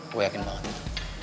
gue yakin banget